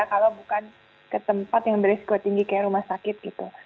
kalau bukan ke tempat yang beresiko tinggi kayak rumah sakit gitu